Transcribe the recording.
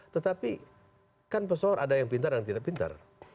tetapi kan pesohor ada yang pintar dan tidak pintar